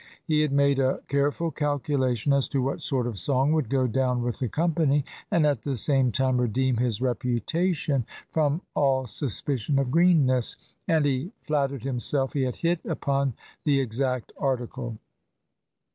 He had made a careful calculation as to what sort of song would go down with the company and at the same time redeem his reputation from all suspicion of greenness; and he flattered himself he had hit upon the exact article.